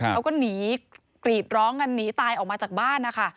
เขาก็หนีกรีดร้องกันหนีตายออกมาจากบ้านนะคะ